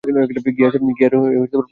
গিয়ারে প্রবলেম আছে।